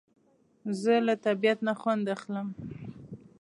زه له طبیعت نه خوند اخلم